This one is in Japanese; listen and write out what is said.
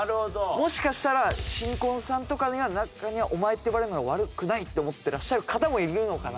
もしかしたら新婚さんとかの中には「お前」って呼ばれるのは悪くないって思っていらっしゃる方もいるのかな？